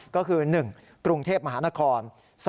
ก็คือ๑กรุงเทพมหานคร